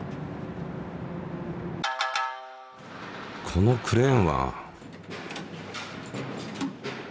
このクレーンは？